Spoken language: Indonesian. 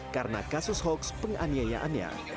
karena kasus hoax penganiayaannya